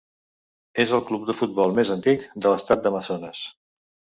És el club de futbol més antic de l'estat d'Amazones.